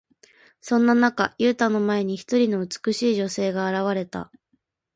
そんな中、ユウタの前に、一人の美しい女性が現れた。